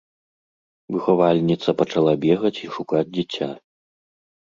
Выхавальніца пачала бегаць і шукаць дзіця.